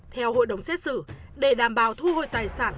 theo hội đồng xét xử để đảm bảo thu hồi tài sản